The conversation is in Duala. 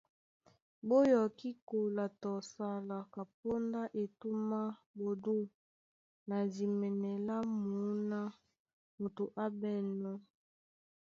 Ɓó yɔkí kola tɔ sala, kapóndá etûm á ɓodû na dimɛnɛ lá mǔná moto á ɓɛ̂nnɔ́.